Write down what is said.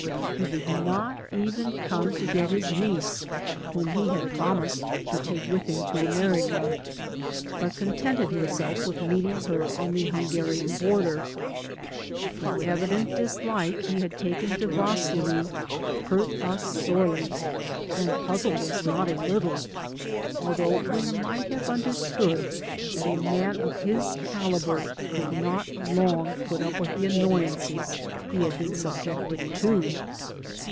He did not even come to get his niece whom he had promised to take with him to America, but contented himself with meeting her on the Hungarian border. The evident dislike he had taken to Vaslui hurt us sorely and puzzled us not a little, although we might have understood that a man of his caliber could not long put up with the annoyances he had been subject ed to.